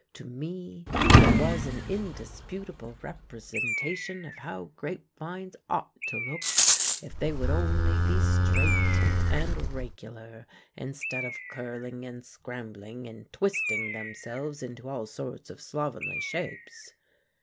To me it was an indisputable representation of how grape vines ought to look, if they would only be straight and regular, instead of curling and scrambling, and twisting themselves into all sorts of slovenly shapes.